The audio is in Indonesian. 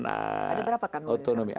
ada berapa kanwil